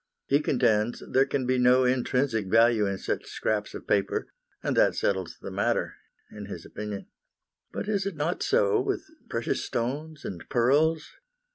He contends there can be no intrinsic value in such scraps of paper, and that settles the matter, in his opinion. But is it not so with precious stones and pearls?